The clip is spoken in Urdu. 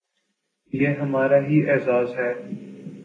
یہ ہمارا ہی اعزاز ہے۔